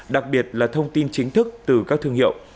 đặc biệt là thông tin chính thức từ các thương hiệu